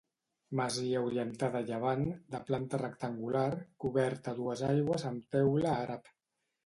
Masia orientada a llevant, de planta rectangular, coberta a dues aigües amb teula àrab.